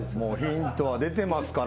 ヒントは出てますからね。